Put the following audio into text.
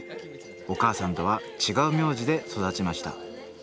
お母さんとは違う名字で育ちました